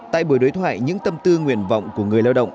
tại buổi đối thoại những tâm tư nguyện vọng của người lao động